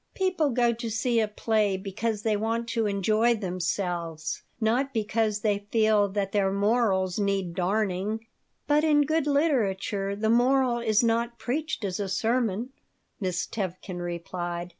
"People go to see a play because they want to enjoy themselves, not because they feel that their morals need darning." "But in good literature the moral is not preached as a sermon," Miss Tevkin replied.